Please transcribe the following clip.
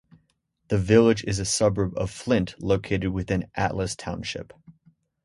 The village is a suburb of Flint located within Atlas Township.